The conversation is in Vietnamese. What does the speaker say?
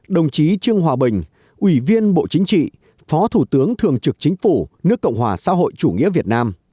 đồng chí trương hòa bình ủy viên bộ chính trị phó thủ tướng thường trực chính phủ nước cộng hòa xã hội chủ nghĩa việt nam